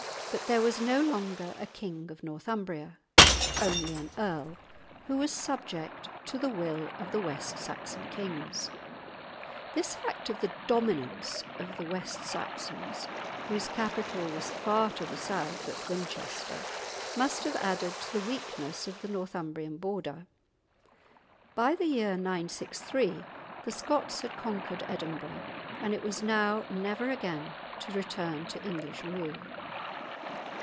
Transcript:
But there was no longer a king of Northumbria; only an earl, who was subject to the will of the West Saxon kings. This fact of the dominance of the West Saxons, whose capital was far to the south at Winchester, must have added to the weakness of the Northumbrian border. By the year 963 the Scots had conquered Edinburgh, and it was now never again to return to English rule.